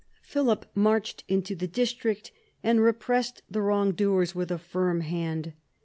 Philip marched into the district, and repressed the wrongdoers with a firm hand.